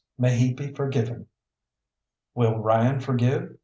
may he be forgiven!" "Will Ryan forgive?